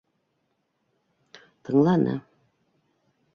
Тыңланы